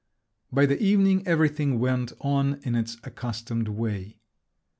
By the evening everything went on in its accustomed way.